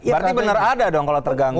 berarti benar ada dong kalau terganggu